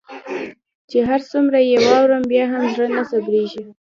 چي هر څومره يي واورم بيا هم زړه نه صبریږي